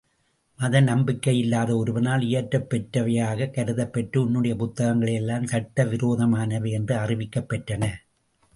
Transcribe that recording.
மத நம்பிக்கையில்லாத ஒருவனால் இயற்றப்பெற்றவையாகக் கருதப்பெற்று உன்னுடைய புத்தகங்களெல்லாம் சட்டவிரோதமானவை என்று அறிவிக்கப் பெற்றன.